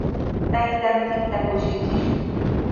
Taytanchikta kushichishun.